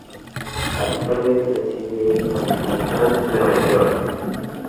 Actualmente reside en Manhattan, Nueva York.